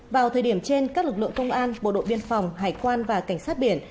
vào thời điểm trên các lực lượng công an bộ đội biên phòng hải quan và cảnh sát biển